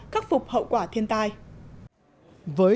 cắt phục hậu quả thiên tai